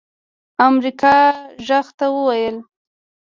امريکا غږ ته وويل